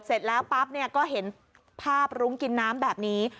เสร็จแล้วปั๊บเนี่ยก็เห็นภาพรุ้งกินน้ำแบบนี้